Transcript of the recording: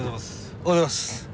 おはようございます。